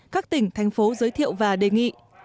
các tỉnh thành phố giới thiệu và đề nghị